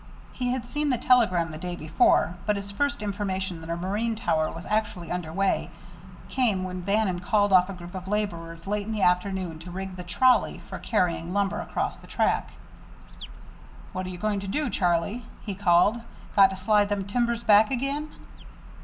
He had seen the telegram the day before, but his first information that a marine tower was actually under way came when Bannon called off a group of laborers late in the afternoon to rig the "trolley" for carrying timber across the track. "What are you going to do, Charlie?" he called. "Got to slide them timbers back again?"